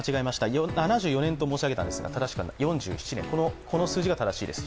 ４７年と申し上げたんですが正しくは４７年、この数字が正しいです。